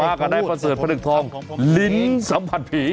มากับในประเศรษฐ์พระหนึ่งทองลิ้นสัมผัสผี